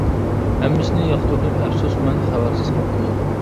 ھەممىسىنى ياقتۇردۇم، ئەپسۇس مەن خەۋەرسىز قاپتىمەن.